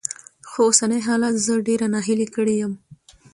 خو اوسني حالات زه ډېره ناهيلې کړې يم.